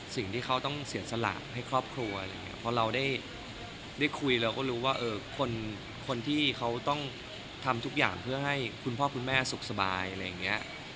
สิ่งที่เขาต้องเสียสละให้ครอบครัวอะไรอย่างนี้เพราะเราได้คุยเราก็รู้ว่าคนที่เขาต้องทำทุกอย่างเพื่อให้คุณพ่อคุณแม่สุขสบายอะไรอย่างเงี้ย